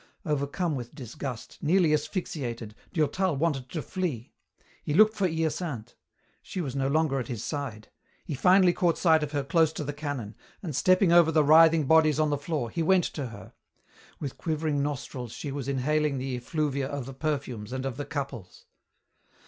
Overcome with disgust, nearly asphyxiated, Durtal wanted to flee. He looked for Hyacinthe. She was no longer at his side. He finally caught sight of her close to the canon and, stepping over the writhing bodies on the floor, he went to her. With quivering nostrils she was inhaling the effluvia of the perfumes and of the couples.